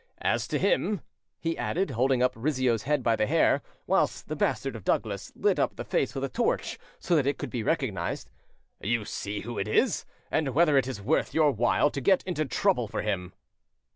As to him," he added, holding up Rizzio's head by the hair, whilst the bastard of Douglas lit up the face with a torch so that it could be recognised, "you see who it is, and whether it is worth your while to get into trouble for him".